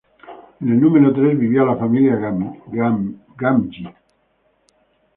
En el número tres vivía la familia Gamyi.